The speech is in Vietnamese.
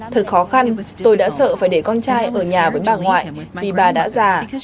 thật khó khăn tôi đã sợ phải để con trai ở nhà với bà ngoại vì bà đã già